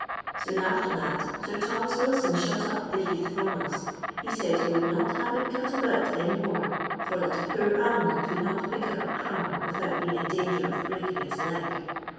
Soon after that Sir Thomas Wilson shut up the heath from BB ; ho said he would not haye it cut about any more, for that a poor animal could not pick up a crumb without being in danger of breaking its leg.